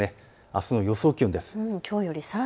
あすの予想気温です。